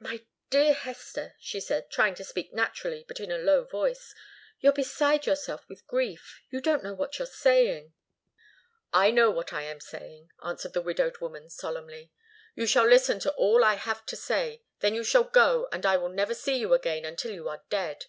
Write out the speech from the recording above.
"My dear Hester," she said, trying to speak naturally, but in a low voice, "you're beside yourself with grief. You don't know what you're saying." "I know what I am saying," answered the widowed woman, solemnly. "You shall listen to all I have to say. Then you shall go, and I will never see you again until you are dead.